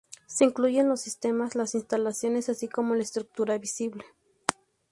Se incluyen los sistemas, las instalaciones así como la estructura visible.